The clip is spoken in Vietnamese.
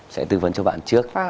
sẽ tư vấn cho bạn trước